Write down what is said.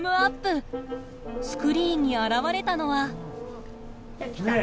スクリーンに現れたのは。